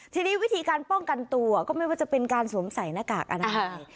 ทีนี้วิธีการป้องกันตัวก็ไม่ว่าจะเป็นการสวมใส่หน้ากากอนามัย